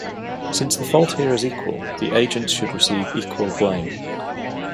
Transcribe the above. Since the fault here is equal, the agents should receive equal blame.